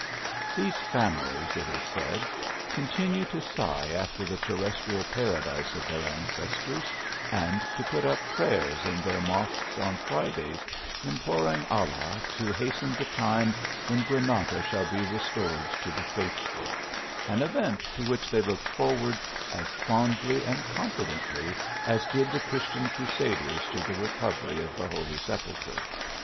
These families, it is said, continue to sigh after the terrestrial paradise of their ancestors, and to put jp prayers in their mosques on Fridays, imploring Allah to hasten the time when Granada shall be restored to the faithful ; an event to which they look 98 THE ALHAMBRA. forward as fondly and confidently as did the Chris tian crusaders to the recovery of the Holy Sepulchre.